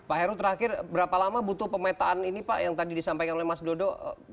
pak heru terakhir berapa lama butuh pemetaan ini pak yang tadi disampaikan oleh mas dodo